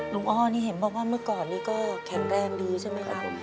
อ้อนี่เห็นบอกว่าเมื่อก่อนนี้ก็แข็งแรงดีใช่ไหมครับ